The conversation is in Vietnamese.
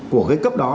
của cái cấp đó